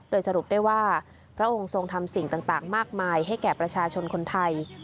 โดยสรุปได้ว่าพระองค์ทรงทำสิ่งต่างมากมายให้แก่ประชาชนคนไทย